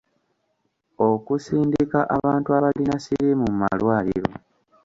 Okusindika abantu abalina siriimu mu malwaliro.